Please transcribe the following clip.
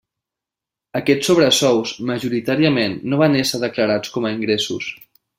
Aquests sobresous majoritàriament no van ésser declarats com a ingressos.